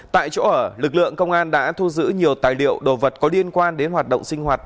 tại chỗ lực lượng công an đã thu giữ nhiều tài liệu đồ vật có liên quan đến hoạt động sinh hoạt